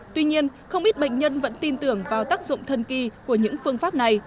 tuy nhiên không ít bệnh nhân vẫn tin tưởng vào tác dụng thân kỳ của những phương pháp này